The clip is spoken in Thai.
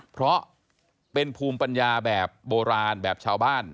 เพราะเป็นภูมิปัญญาแบบโบราณแบบชาวบ้าน